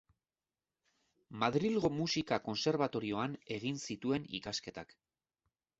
Madrilgo Musika Kontserbatorioan egin zituen ikasketak.